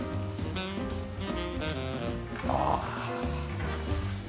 ああ。